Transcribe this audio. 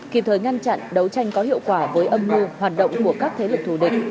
kịp thời ngăn chặn đấu tranh có hiệu quả với âm mưu hoạt động của các thế lực thù địch